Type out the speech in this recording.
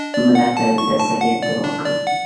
مړه ته د تسلیت دعا کوو